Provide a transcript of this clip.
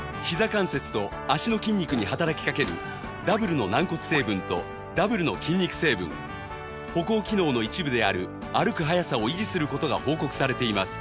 関節と脚の筋肉に働きかけるダブルの軟骨成分とダブルの筋肉成分歩行機能の一部である歩く早さを維持する事が報告されています